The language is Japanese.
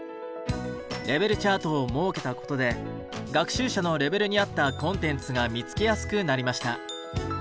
レベルチャートを設けたことで学習者のレベルに合ったコンテンツが見つけやすくなりました。